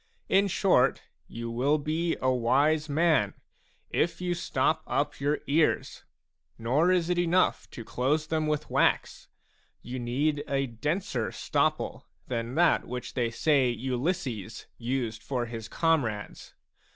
In short, you will be a wise man, if you stop up your ears ; nor is it enough to close them with wax ; you need a denser stopple than that which they say Ulysses used for his comrades.